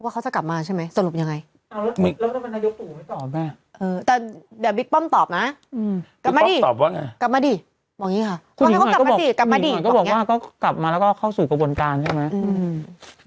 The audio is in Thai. ก็บอกว่าก็กลับมาแล้วก็เข้าสู่กระบวนการใช่ไหม